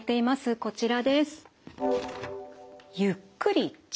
こちらです。